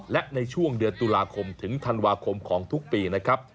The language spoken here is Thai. และในช่วงเดือนตุลาคมถึงธันวาคมของทุกปีนะครับ